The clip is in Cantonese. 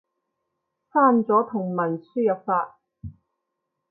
刪咗同文輸入法